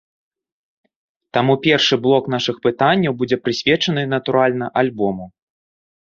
Таму першы блок нашых пытанняў будзе прысвечаны, натуральна, альбому.